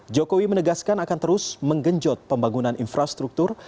jokowi menegaskan akan terus menggenjot pembangunan infrastruktur